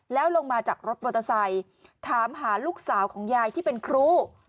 แล้วลงมาจากรถมอเตอร์ไซค์ถามหาลูกสาวของยายที่เป็นครู